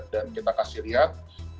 dan kita kasih lihat